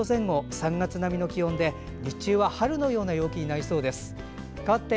３月並みの気温で日中は春のような陽気になりそうです。